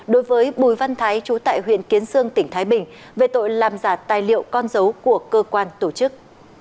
đối với bùi văn thái trú tại huyện kiến sương tỉnh thái bình về tội làm giả tài liệu con dấu của cơ quan tổ chức